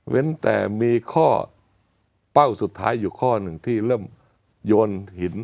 แต่มีข้อเป้าสุดท้ายอยู่ข้อหนึ่งที่เริ่มโยนหิน